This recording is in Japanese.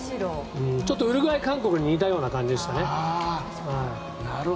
ちょっとウルグアイ、韓国に似たような感じでしたね。